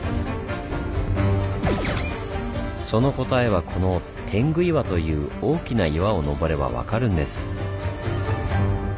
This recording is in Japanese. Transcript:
その答えはこの天狗岩という大きな岩を登れば分かるんです。